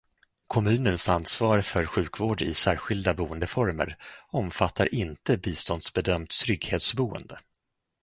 Kommunens ansvar för sjukvård i särskilda boendeformer omfattar inte biståndsbedömt trygghetsboende.